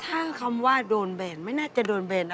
ถ้าคำว่าโดนแบนไม่น่าจะโดนแบนนะ